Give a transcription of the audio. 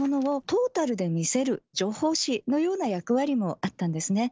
トータルで見せる情報誌のような役割もあったんですね。